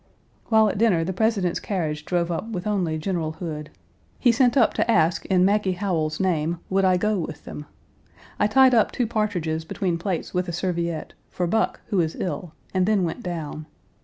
While at dinner the President's carriage drove up with only General Hood. He sent up to ask in Maggie Howell's name would I go with them? I tied up two partridges between plates with a serviette, for Buck, who is ill, and then went down.